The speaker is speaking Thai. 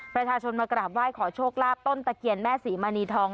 ประชาชนมากราบไหว้ขอโชคลาภต้นตะเคียนแม่ศรีมณีทอง